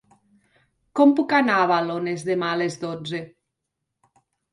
Com puc anar a Balones demà a les dotze?